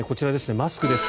マスクです。